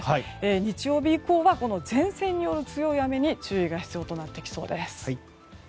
日曜日以降は前線による強い雨に注意が必要となってきそうです。